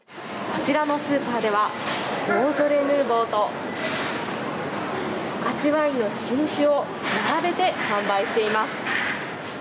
こちらのスーパーではボージョレ・ヌーボーと十勝ワインの新酒を並べて販売しています。